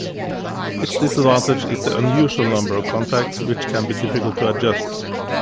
Its disadvantage is the unusual number of contacts, which can be difficult to adjust.